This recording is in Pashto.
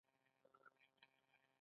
یووالی پکار دی